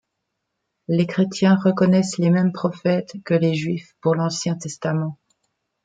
Les chrétiens reconnaissent les mêmes prophètes que les Juifs pour l'Ancien Testament.